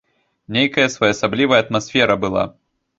Нейкая своеасаблівая атмасфера была.